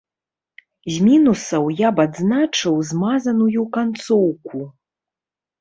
З мінусаў я б адзначыў змазаную канцоўку.